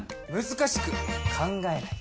難しく考えない。